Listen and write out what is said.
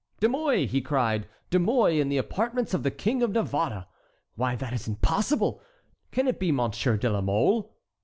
"De Mouy!" he cried, "De Mouy in the apartments of the King of Navarre! Why, that is impossible! Can it be Monsieur de la Mole?"